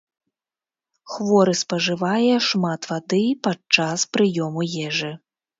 Хворы спажывае шмат вады падчас прыёму ежы.